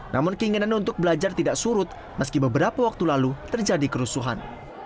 namun keinginan untuk belajar tidak surut meski beberapa waktu lalu terjadi kerusuhan